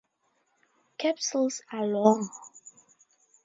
Capsules are long.